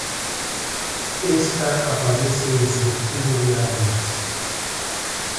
Esta aparece en su escudo de armas.